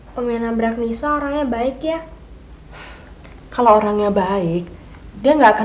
pemenang beragni seorang yang baik ya kalau orangnya baik dia nggak akan